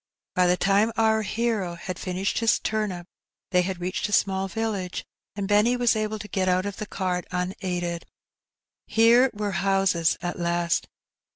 By the time our hero had finished his turnip they had reached a small village, and Benny was able to get out of the cart unaided. Here were houses at last.